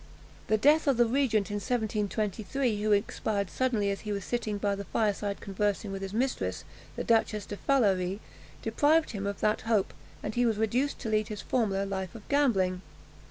The death of the regent in 1723, who expired suddenly as he was sitting by the fireside conversing with his mistress, the Duchess de Phalaris, deprived him of that hope, and he was reduced to lead his former life of gambling.